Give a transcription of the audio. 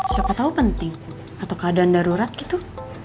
siapa tahu penting atau keadaan darurat gitu